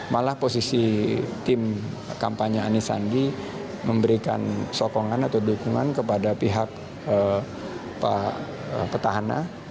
malah posisi tim kampanye ani sandi memberikan sokongan atau dukungan kepada pihak petahana